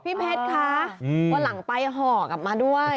พี่เพชรคะวันหลังไปห่อกลับมาด้วย